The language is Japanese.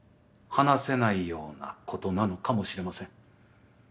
話せないようなことなのかもしれません。